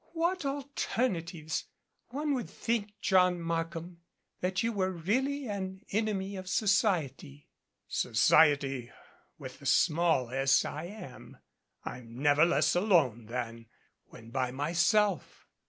"What alternatives! One would think, John Mark ham, that you were really an enemy of society." "Society with the small S, I am. I'm never less alone than when by myself."